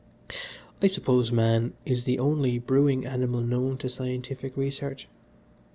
"I suppose man is the only brewing animal known to scientific research.